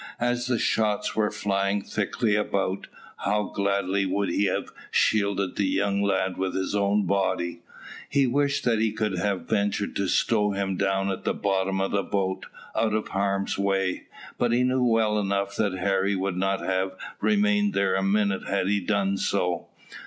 As the shot were flying thickly about, how gladly would he have shielded the young lad with his own body. He wished that he could have ventured to stow him down at the bottom of the boat, out of harm's way; but he knew well enough that Harry would not have remained there a minute had he done so.